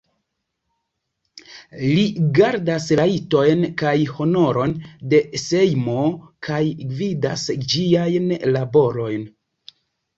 Li gardas rajtojn kaj honoron de Sejmo kaj gvidas ĝiajn laborojn.